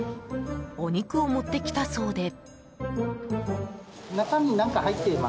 お肉を持ってきたそうで。